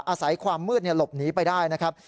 อาศัยความมืดหลบหนีไปได้นะครับ